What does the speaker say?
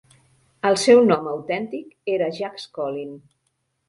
El seu nom autèntic era Jacques Collin.